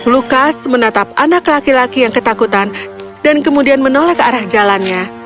lukas menatap anak laki laki yang ketakutan dan kemudian menolak arah jalannya